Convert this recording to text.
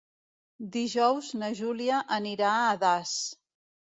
Dijous na Júlia anirà a Das.